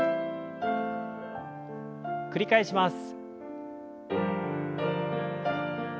繰り返します。